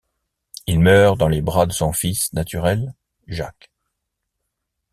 Il meurt dans les bras de son fils naturel Jacques.